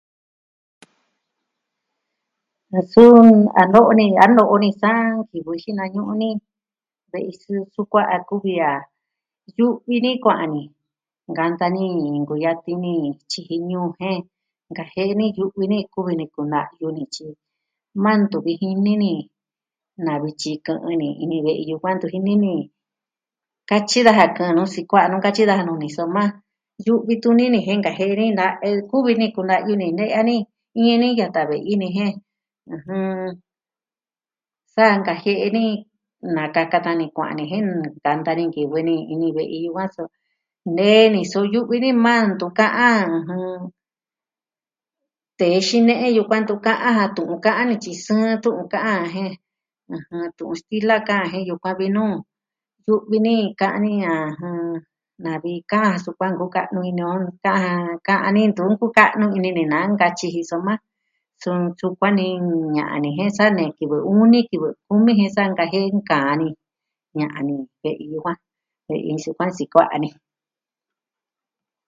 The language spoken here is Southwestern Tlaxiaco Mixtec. Suu a no'o ni a no'o ni sa, kivɨ xinañu'ni. ve'i sukua'a a kuvi a. Yu'vi ni kuaa ni, nkanta ni, nkuyati ni tyiji ñuu jen nkajie'e yu'vi ni kuvi ni kuna'yu ni tyi mantu viji ni ni. navi tyiku'u ni ini ve'i yukuan ntu jini ni. Katyi daja kɨ'ɨn nu sikua'a nu, katyi daja nuu ni soma, yu'vi tuni ni jen nkajie'e ni na nkuvi ni kuna'yu ni ne'ya ni. Iñi ni yata ve'i nee jen sa nakajie'e ni, nakaka ta ni kuaa ni jen nunu, kanta ni kivɨ ni ini ve'i yukuan so nee ni suyu'vi ni maa ntu ka'an. tee xine'e yukuan ntu ka'an ja tu'un ka'an ni tyi soo a tu'un ka'an jen, tu'un stila ka'an jen yukuan vi nu. Yu'vi ni ka'an ni a na'vi ka'an sukuan nkuka'nu ini o. Ka'an ja, ka'an ni, ntu nkuka'nu ini ni na nkatyi ji soma. Sɨɨn sukuan ni ña'an ni jen sa ne kivɨ uni, kivɨ kumi jen sa nkajie'e nka'an ni. Ña'an ni ve'i yukuan ve'i sukuan sikoo a ni.